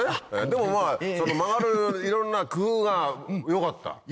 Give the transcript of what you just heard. でも曲がるいろんな工夫がよかった。